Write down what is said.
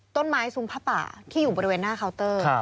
ต้นไม้ซุมผ้าป่าที่อยู่บริเวณหน้าเคาน์เตอร์